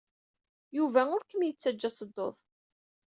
Yuba ur kem-yettajja ad tedduḍ.